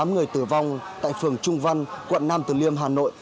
các người tử vong tại phường trung văn quận nam tử liêm hà nội